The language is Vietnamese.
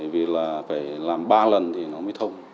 vì là phải làm ba lần thì nó mới thông